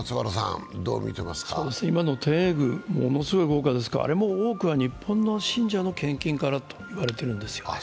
今の天苑宮、ものすごい豪華ですがあれも多くは日本の信者からの献金と言われているんです。